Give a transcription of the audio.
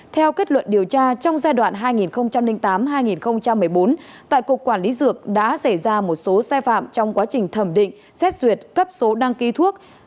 theo kết luận điều tra trong giai đoạn hai nghìn tám hai nghìn một mươi bốn tại cục quản lý dược đã xảy ra một số sai phạm trong quá trình thẩm định xét duyệt cấp số đăng ký thuốc